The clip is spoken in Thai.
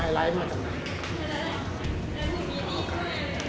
ไอไลท์แล้วหนูมีนี่ด้วย